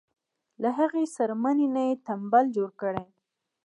له هغې څرمنې نه یې تمبل جوړ کړی.